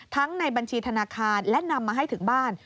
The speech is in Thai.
ในบัญชีธนาคารและนำมาให้ถึงบ้าน